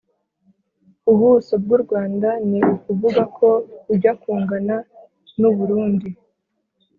ubuso bwu rwanda ni ukuvuga ko bujya kungana n'u burundi